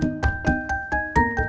kasih suruk policer